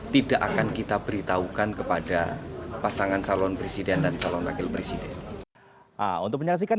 tidak akan kita beritahukan kepada pasangan salon presiden dan salon wakil presiden